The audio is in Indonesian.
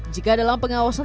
jika dalam pengawasan